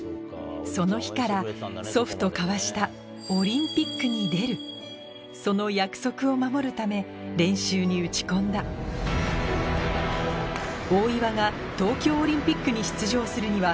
その日から祖父と交わしたその約束を守るため練習に打ち込んだ大岩が東京オリンピックに出場するには